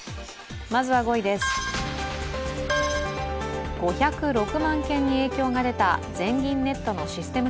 まずは５位です、５０６万件に影響が出た全銀ネットのシステム